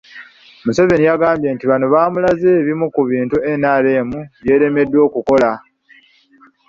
Museveni yagambye nti bano bamulaze ebimu ku bintu NRM by'eremeddwa okukola